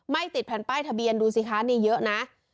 ติดแผ่นป้ายทะเบียนดูสิคะนี่เยอะนะ